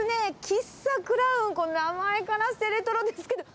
喫茶クラウン、この名前からしてレトロですけれども。